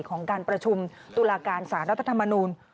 ของการประชุมตุลาการสารรัฐธรรมนูล